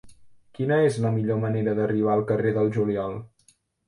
Quina és la millor manera d'arribar al carrer del Juliol?